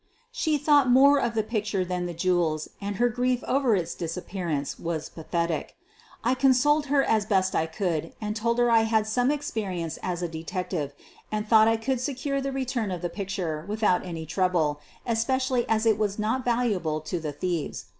She thought more of the picture than the jewels 260 SOPHIE LYONS and her grief over its disappearance was pathetic I consoled her as best I conld, and told her I had had some experience as a detective and thought I could secure the return of the picture without any trouble, especially as it was not valuable to the thieves.